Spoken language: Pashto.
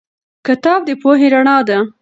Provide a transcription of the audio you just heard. کتاب د پوهې رڼا ده.